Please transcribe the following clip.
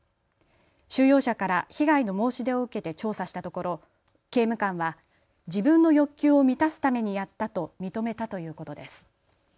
収容者から被害の申し出を受けて調査したところ刑務官は自分の欲求を満たすためにやったと認めたということです。